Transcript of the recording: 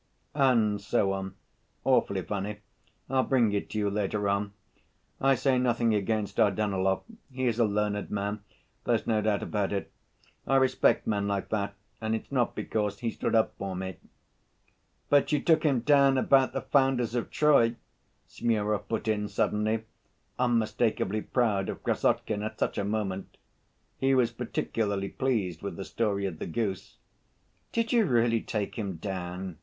And so on, awfully funny, I'll bring it to you later on. I say nothing against Dardanelov, he is a learned man, there's no doubt about it. I respect men like that and it's not because he stood up for me." "But you took him down about the founders of Troy!" Smurov put in suddenly, unmistakably proud of Krassotkin at such a moment. He was particularly pleased with the story of the goose. "Did you really take him down?"